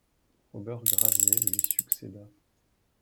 Robert Gravier lui succéda.